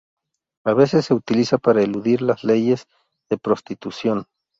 A veces se utiliza para eludir las leyes de prostitución.